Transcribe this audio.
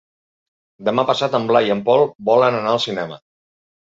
Demà passat en Blai i en Pol volen anar al cinema.